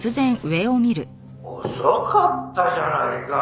遅かったじゃないか。